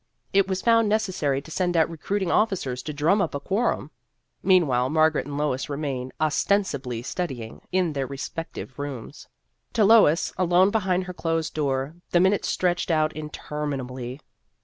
It was found neces sary to send out recruiting officers to drum up a quorum. Meanwhile, Mar garet and Lois remained, ostensibly study ing, in their respective rooms. To Lois, alone behind her closed door, the minutes stretched out interminably.